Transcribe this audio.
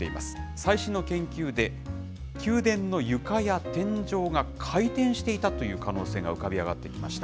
最新の研究で、宮殿の床や天井が回転していたという可能性が浮かび上がってきました。